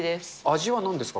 味はなんですか？